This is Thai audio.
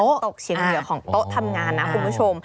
ตกเชียงเหนือของโต๊ะทำงานนะคุณผู้ชม